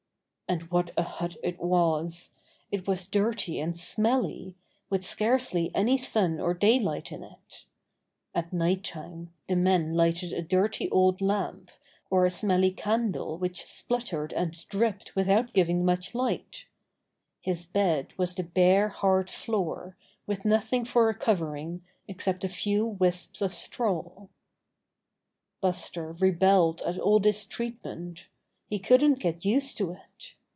And what a hut it was! It was dirty and smelly, with scarcely any sun or daylight in it At night time the men lighted a dirty old lamp or a smelly candle which spluttered and dripped without giving much light His bed Buster's Cruel Masters 49 was the bare, hard floor, with nothing for a covering except a few whisps of straw. Buster rebelled at all this treatment. He couldn't get used to it.